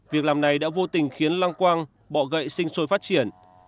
việc làm này đã vô tình khiến lăng quang bọ gậy sinh sôi phát triển